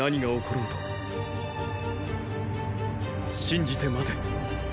信じて待て。